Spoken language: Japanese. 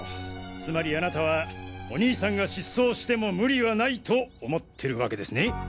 つまりあなたはお兄さんが失踪しても無理はないと思ってる訳ですね？